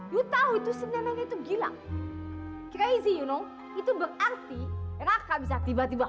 yuu tau itu si neneknya itu gila crazy you know itu berarti raka bisa tiba tiba